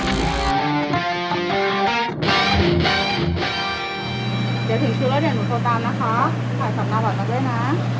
เดี๋ยวถึงชื่อแล้วเดี๋ยวหนูโทรตามนะคะถ่ายสำนักออกมาด้วยนะ